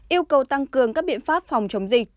yêu cầu tăng cường các biện pháp phòng chống dịch